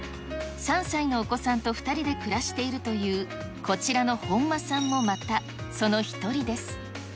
３歳のお子さんと２人で暮らしているという、こちらの本間さんもまた、その一人です。